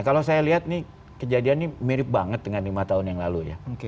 kalau saya lihat ini kejadian ini mirip banget dengan lima tahun yang lalu ya